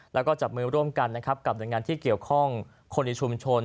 แล้วก็จับมือร่วมกันนะครับกับหน่วยงานที่เกี่ยวข้องคนในชุมชน